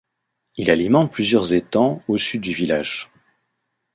Il alimente plusieurs étangs au sud du village.